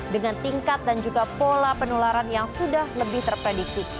dengan tingkat dan juga pola penularan yang sudah lebih terprediksi